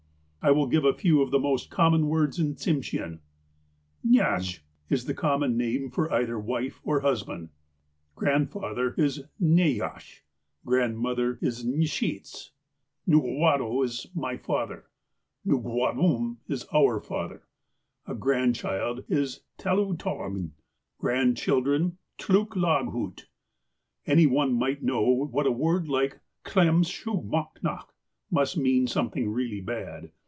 I will give a few of the most common words in Tsimsheau : "Naxsh" is the common name for either wife or husband. Grandfather is *' Neyahsh." Grandmother, '' Nhsteets. '' •'Nugwahdo" is "my father." "Nugwahdum" is "our father." A grandchild is '' Tclutaghn. '' Grandchildren, '' Tclu laghut." Any one might know that a word like "Tclem shu mahnak " must mean something real bad.